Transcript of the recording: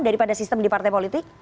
daripada sistem di partai politik